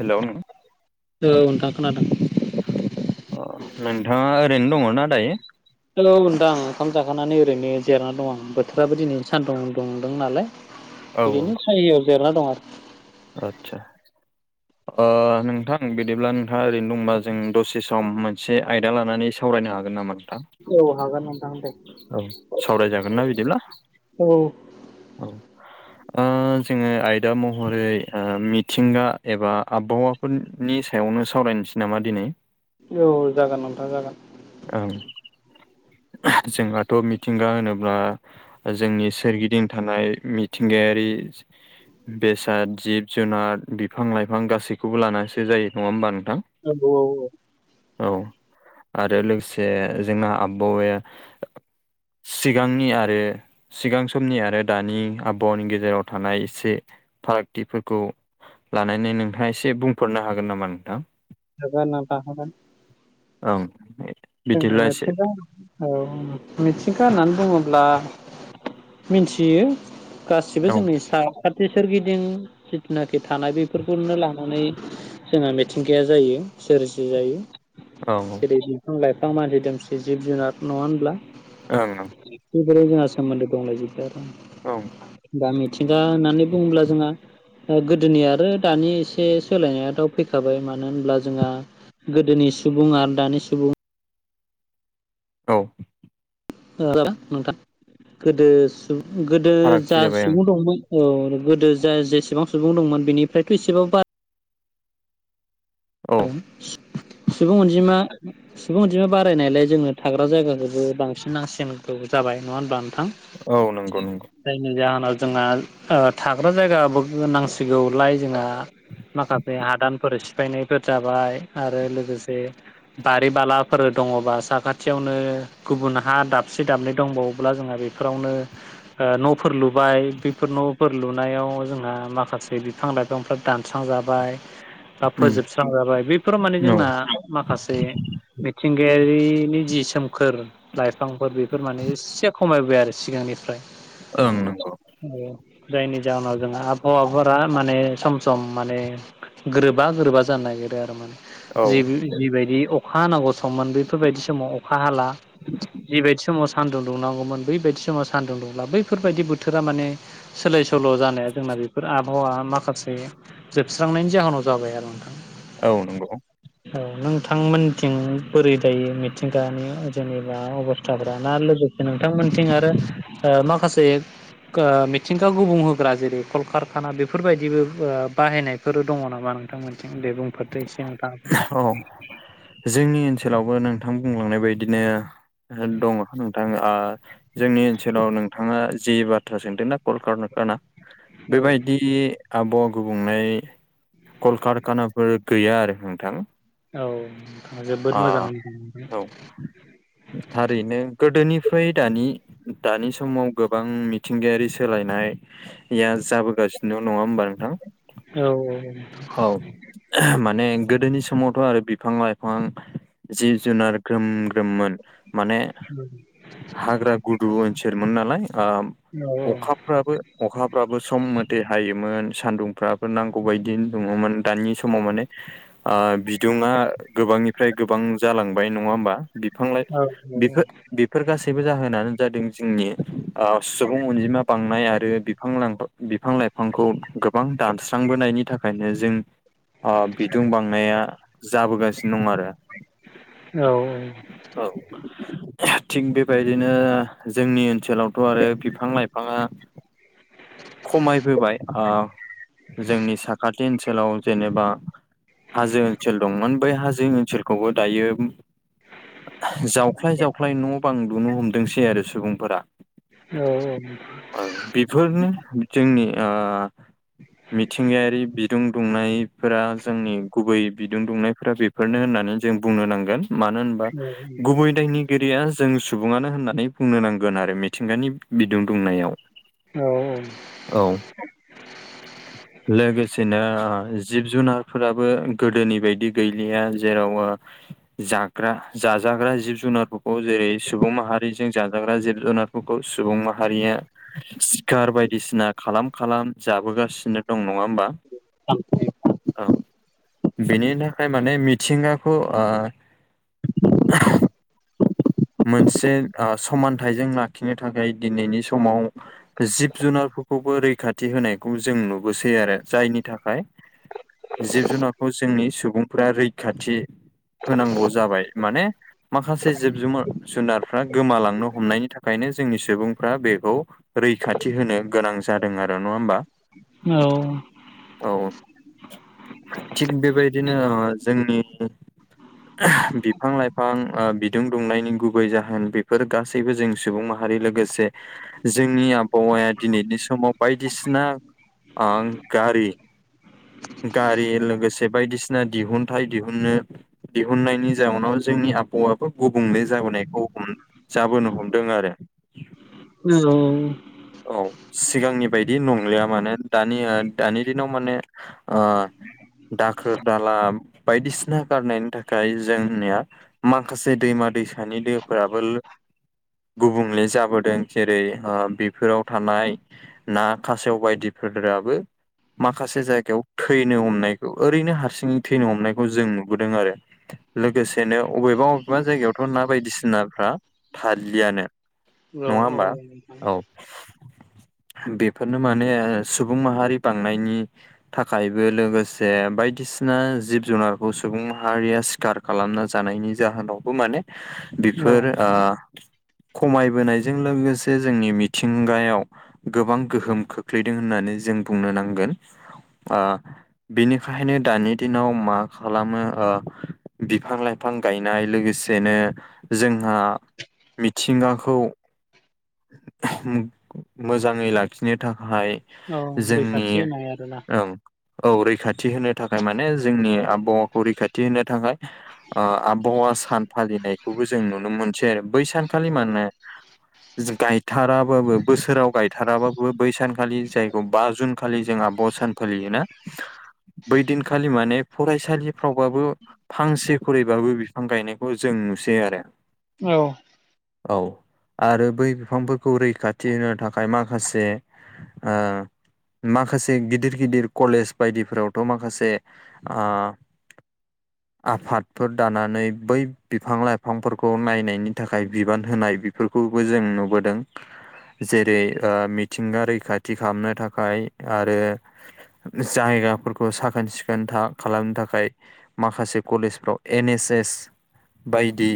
हेल'! औ नोंथां खोनादों अ नोंथाङा ओरैनो दङना दायो हेलौ नोंथां ओंखाम जाखांनानै ओरैनो जेरना दं आं बोथोराबो दिनैनि सानदुं दुंदों नालाय औ ओरैनो सायायाव जेराना दं आरो आतसा ओ- नोंथां बिदिब्ला नोंथाङा ओरैनो दंबा जों दसे सम मोनसे आयदा लानानै सावरायनो हागोन नामा नोंथां आरो औ हागोन नोंथां दे औ- सावरायजागोन ना बिदिब्ला औ। औ- ओ जोंङो आयदा महरै ओ मिथिंगा एबा आबहावा नि सायावनो सावरायनोसै नामा दिनै? औ- जागोन नोंथां जागोन ओं जोंहाथ' मिथिंगा होनोब्ला जोंनि सोरगिदिं थानाय मिथिंगायारि बेसाद जिब जुनार बिफां लाइफां गासैखौबो लानानैासो जायो नङा होमबा नोंथां नोंगौ औ औ। औ आरो लोगोसे जोंना आबहावाया सिगांनि आरो सिगां समनि आरो दानि आबहावानि गेजेराव थानाय एसे फारागथिफोरखौ लानानै नोंथाङा एसे बुंफोररनो हागोन नामा नोंथां [unintelligible] ओं बे जोंना मेथिं [unintelligible] औ- मिथिंगा होननानै बुङोब्ला मिथियो गासिबो औ जोंनि साखाथि सोरगिदिं जिथुनाखि थानाय बेफोरखौनो लानानै जोंहा मिथिंगाया जायो सोरजि जायो। औ औ। जेरै बिफां लाइफां मानसि दोमसि जिब जुनार नङा होनब्ला ओं बेब जोंासोमबद दंलाय ज आरो [unintelligible] औ दा मिथिंगा होननानै बुङोब्ला जोंहा गोदोनि आरो दानि एसे सोलायनायाथ' फैखाबाय मानो होनब्ला जोंहा गोदोनि सुबुं आरो दानि सुबुं औ- [unintelligible] नोंथां गोदो सुबुं गोदो फारागथि जा जाबाय सुबुं दंमोन औ गोदो जा जेसेबां सुबुं दंमोन बेनिफ्रायथ' एसेब बारा ओं सुबुं अनजिमा सुबुं अजिमा बारायनायलाय जोङो थाग्रा जायगाखौबो बांसिन नांसिन नांगौ जाबाय नङा होनबा नोंथां औ नंगौ नंगौ [unintelligible] जायनि जाहोनाव जोंहा ओ थाग्रा जायगाबो गोनांसिगौलाय जोंहा माखासे हादानफोर सिफायनायफोर जाबाय आरो लोगोसे बारि-बालाफोर दंङ साखाथियावनो गुबुन हा दाबसे दाबनै दंबावोब्ला जोंहा बे फोरावनो ओ- न'फोर लुबाय बेफोर न'फोर लुनायाव जोंहा माखासे बिफां लाइफां बिफांफ्रा दानस्रांजाबाय बा उम फोजोबस्रांजाबाय बेफोराव माने औ जोंना माखासे मिथिंगायारिनि जि सोमखोर लाइफांफोर बेफोर माने एसे खमायबाय आरो सिगांनिफ्राय ओं- नंगौ जायनि जाहोनाव जोंहा आबहावाफोरा माने सम सम माने गोरोबा-गोरोबा जानो नागिरो आरो औ माने जे जि बायदि अखा हानांगौ सममोन बेफोरबायदि समाव अखा हाला। जिबायदि समाव सान्दुं दुंनांगौमोन बैबायदि समाव सानदुं दुंला बैफोरबायदि बोथोरा माने सोलाय-सोल' जानाया जोंना बेफोर आबहावा माखासे जोबस्रांनायनि जाहोनाव जाबाय आरो नोंथां। औ- नंगौ औ नोंथांमोनथिं बोरै दायो मिथिंगानि जेनेबा अबस्थाफ ना लोगोसे ओ नोंथांमोनथिं आरो ओ माखासे गा- मिथिंगा गुबुं होग्रा जेरै कलकारखाना बेफोरबायदिबो ओ- बाहायनाय बेफोरो दंङ नामा नोंथांमोनथिं दे बुंफोरदो एसे औ- जोंनि ओनसोलावबो नोंथां बुंलांनाय बायदिनो ओ दङ नोंथां ओ। जोंनि ओनसोलाव नोंथाङा जि बाथ्रा सोंदोंना कलकारना ना नोंथाङाबो बेबायदि आबहावा गुबुंनाय कलकारखानाफोर गैया आरो नोंथां औ नोंथाङा जोबोद ओ मोजां नथां [inaudible] औ थारैनो गोदोनिफ्राय दानि दानि समाव गोबां मिथिंगायारि सोलायनाय या जाबोगासिनोल' नंङा होमबा नोंथां औ- औ औ- माने गोदोनि समावथ' आरो बिफां आं जिब जुनार ग्रोम-ग्रोममोन माने [unintelligible] हाग्रा गुदु ओनसोलमोन नालाय औ अखा बो अखाफ्राबो सम मोथै हायोमोन सान्दुंफ्राबो नांगौ बायदिनो दङमोन दानि समाव माने आ बिदुंङा गोबांनिफ्राय-गोबां जालांबाय नंङा होमबा बिफां-लाइफां बेफोर बेफोर गासैबो जाहोनानो जादों जोंनि ओ सुबुं अनजिमा बांनाय आरो बिब [unintelligible] फां बिफां लाइफांखौ गोबां दानस्रांबोनायनि थाखायनो जों ओ बिदुं बांनाया जाबोगासिनो दं आरो औ- औ औ थिग बेबायदिनो जोंनि ओनसोलावथ' आरो बिफां लाइफाङा खमायबोबाय ओ- जोंनि साखाथि ओनसोलाव जेनेबा हाजो ओनसोल दंमोन बै हाजो ओनसोलखौबो दायो जावख्लाय जावख्लाय न' बां लुनो हमदोंसै आरो सुबुंफोरा। औ- औ ओ बेफोरनो जोंनि ओ मिथिंगायारि बिदुं दुंनायफोरा जोंनि गुबै बिदुं दुंनायफोरा बे- फोरनो होननानै जों बुंनो नांगोन मानो होनबा गुबै दायनि गिरिया जों सुबुङानो होननानै बुंनो नांगोन आरो मिथिंगानि बिदुं दुंनायाव। औ- औ- औ लोगोसेनो जिब-जुनारफोराबो गोदोनि बायदि गैलिया जेराव ओ जाग्रा जाजाग्रा जिब जुनारफोर खौ जेरै सुंबुं माहारिजों जाजाग्रा जिब-जुनारफोरखौ सुबुं माहारिया धार बायदिसिना खालाम खालाम जाबोगासिनो दं नङा होमबा औ बिनि थाखाय माने मिथिंगाखौ आ मोनसे ओ समानथाइजों लाखिनो थाखाय दिनैनि समाव जिब जुनारफोरखौबो रैखाथि होनाय खौ जों नुबोसै आरो जायनि थाखाय जिब-जुनारखौ जोंनि सुबुं फुर रैखाथि होनांगौ जाबाय माने माखासे जिब-जुमार जुनारफ्रा गोमालांनो हमनायनि थाखायनो जोंनि सुबुंफ्रा बेखौ रैखाथि होनो गोनां जादों आरो नङा ओमबा औ औ औ थिग बेबायदिनो ओ जोंनि बिफां लाइफां ओ बिदुं दुंनायनि गुबै जाहोन बेफोर गासैबो जों सुबुं माहारि लोगोसे जोंनि आबहावाया दिनैनि समाव बायदिसिना आं गारि गारि लोगोसे बायदिसिना दिहुनथाइ दिहुननो दिहुननायनि जाउनाव जोंनि आबहावाखौ गुबुंले जा जाबोनायखौ हम जाबोनो हमदों आरो। उम औ सिगांनि बायदि नंलिया माने दानि ओ दानि दिनाव माने ओ दाखोर दाला बायदिसिना गारनायनि थाखाय जोंनिया माखासे दैमा दैसानि दैफोराबो लो गुबुंले जाबोदों जेरै ओ फोराव थानाय ना खासेव बायदिफोराबो माखासे जायगायाव थैनो हमनायखौ ओरैनो हारसिङै थैनो हमनायखौ जों नुबोदों आरो। लोगोसेनो अबेबा अबेबा जायगायावथ' ना बायदिसिनाफ्रा थालियानो नङा होमबा? औ। बेफोरनो माने सुबुं माहारि बांनायनि थाखायबो लोगोसे बायदिसिना जिब जुनारखौ सुबुं माहारिया सि खार खालामना जानायनि जाहोनावबो माने औ बेफोर ओ खमायबोनायजों लोगोसे जोंनि मि थिंगायाव गोबां गोहोम खोख्लैदों होननानै जों बुंनो नांगोन। ओ बिनिखायनो दानि दिनाव मा खालामो ओ बिफां लाइफां गायनाय लोगोसेनो जोंहा मिथिंगाखौ मोजाङै लाखिनो थाखाय औ जोंनि रैखाथि होनाय आरोना औ औ रैखाथि होनो थाखाय माने जोंनि आबहावाखौ रैखाथि होनो थाखाय ओ आबावहा सान फालिनायखौबो जों नुनो मोनसै आरो बै सान खालि मानो गाय थाराबाबो बोसोराव गायथाराबाबो बै सानखालि जाय बा जुन खालि जों आबाहावा सान फालियोना? बैदिनखालि माने फरायसालिफ्रावबाबो फांसे खुरैबाबो बिफां गायनायखौ जों नुसै आरो औ। औ आरो बै बिफांफोरखौ रैखाथि होनो थाखाय माखासे आ माखासे गिदिर गिदिर कलेज बायदिफोरावथ' माखासे आ [inaudible] आफादफोर दानानै बै बिफां- लाइफांफोरखौ नायनायनि थाखाय बिबान होनाय बि फोरखौबो जों नुबोदों। जेरै ओ मिथिंगा रैखाथि खामनो थाखाय आरो जायगाफोरखौ साखोन- सिखोन था खालामनो थाखाय माखासे कलेजफ्राव एन एस एस बायदि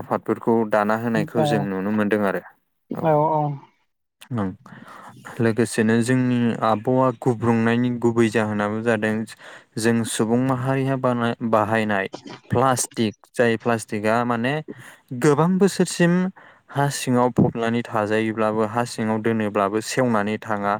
आफादफोरखौ दाना होनायखौ औ जों नुनो मोन्दों आरो। औ औ ओं लोगोसेनो जों आबहावा गुब्रुंनायनि गुबै जाहोनाबो जादों जों सुबुं माहारिया बानाय बाहायनाय प्लास्टिक जाय प्लास्टिकआ माने गोबां बोसो [unintelligible] सिम हा सिङाव फबनानै थाजायोब्लाबो हा सिङाव दोनोब्लाबो सेवनानै थाङा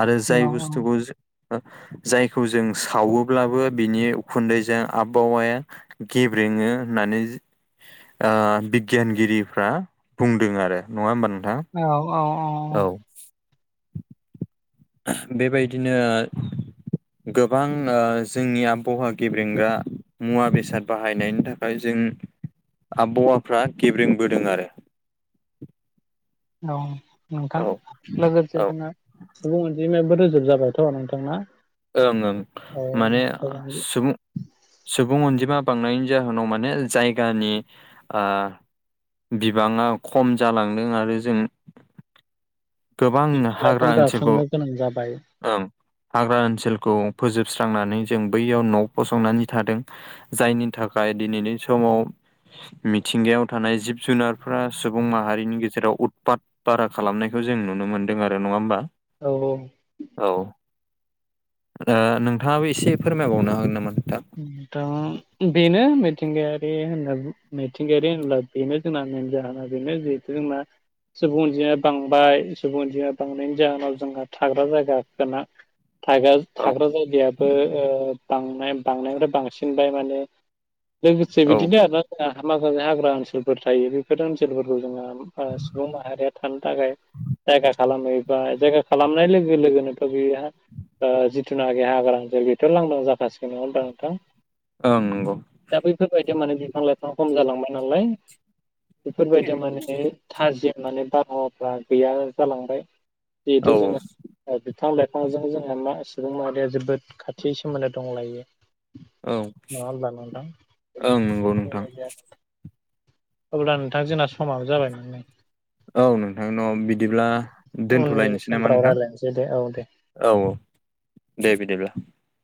आरो जाय बुस्थुखौ जो ओ जायखौ जों सावोब्लाबो बिनि उखुन्दैजों आबहावाया गेब्रेङो होननानै जो ओ बिगियानगिरिफ्रा बुंदों आरो नङा होमबा नोंथां। औ -औ औ- औ। [unintelligible] बेबायदिनो गोबां ओ जोंनि आबहावा गेब्रेंगा मुवा बेसाद बाहायनायनि थाखाय जों आबहावाफ्रा गेब्रेंबोदों आरो। औ नोंथां। औ लोगोसे ओं जोंना सुबुं अनजिमायाबो रोजाब जाबायथ' नोंथांना ओं ओं औ माने [unintelligible] सुमुं सुबुं अनजिमा बांनायनि जाहोनाव माने जायगानि ओ बिबाङा खम जालांदों आरो जों गोबां बिफां लाइफां हाग्रा ओनसोलखौ दानस्रांनो गोनां जाबाय ओं हाग्रा ओनसोलखौ फोजोबस्रांनानै जों बैयाव न' फसंनानै थादों जायनि थाखाय दिनैनि समाव मिथिंगायाव थानाय जिब -जुनारफोरा सुबुं माहारिनि गेजेराव उदपाद बारा खालामनाय खौ जों नुनो मोन्दों आरो नङा होमबा? औ औ। औ ओ नोंथाङाबो एसे फोरमायबावनो हागोन नामा नोंथां? [unintelligible] दा बेनो मिथिंगायारि होनना मिथिंगायारि होनब्ला बेनो जोंना मेन जाहोना बेनो जि जोंना सुबुं अनजिमाया बांबाय सुबुं अनजिमा बांनायनि जाहोनाव जोंहा थाग्रा जायगा गोना [inaudible] थागाल औ थाग्रा जायगायाबो ओ बांनाय बांनायनिफ्राय बांसिनबाय माने लोगोसे औ बिदिनो आरोना जोंहा [unintelligible] हाग्रा ओनसोलफोर थायो बेफोरजों ओनसोलफोरखौ जोङा [unintelligible] ओ सुबुं माहारिया थानो थाखाय जायगा खालामोबा जायगा खालामनाय लोगो लोगोनोथ' बियोहा ओ जिथुनाखि हाग्रा ओनसोल बेथ' लांदां जाखासिगोन नङा होनबा नोंथां? ओं नंगौ। दा बैफोरबायदियाव माने बिफां- लाइफां खम जालांबाय नालाय बेफोरबायदिया माने थाजिम माने बारहावाफ्रा गैया जालांबाय औ जिहेथु जोङो ओ बिफां -लाइफांजों जोंहा मा सुबुं माहारिया जोबोद खाथि सोमोन्दो दंलायो। औ नङा होमब्ला नोंथां ओं बेबायदि नंगौ नोंथां। आरो। अब्ला नोंथां जोंना समाबो जाबायमोन ने। औ नोंथांनाव बिदिब्ला उननि दोनथ'लायनोसै नामा समफ्राव नोंथां। रायज्लायनोसै दे औ दे औ दे बिदिब्ला।